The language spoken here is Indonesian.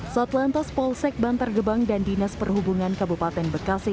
satlantas polsek bantar gebang dan dinas perhubungan kabupaten bekasi